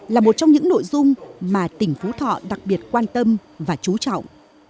là một trong những nội dung mà tỉnh phú thọ đặc biệt quan tâm và chú trọng